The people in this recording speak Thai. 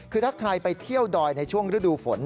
คือถ้าใครไปเที่ยวดอยในช่วงฤดูฝน